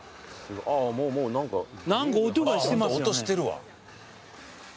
音してるわ。